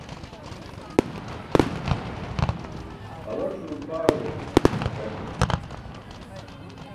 Awatulum paaẏo gakat.